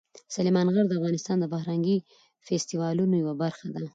سلیمان غر د افغانستان د فرهنګي فستیوالونو یوه برخه ده.